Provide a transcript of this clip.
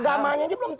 agamanya belum tentu